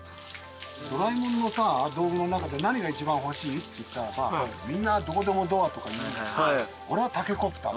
ドラえもんの道具の中で何が一番欲しいっていったらさみんなどこでもドアとか言うけどさ俺はタケコプター。